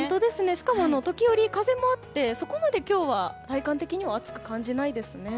しかも時折、風もあって今日はそこまで体感的には暑く感じないですね。